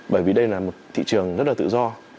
bởi vì đây là một thị trường rất là tự do